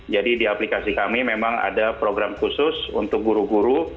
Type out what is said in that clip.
jadi di aplikasi kami memang ada program khusus untuk guru guru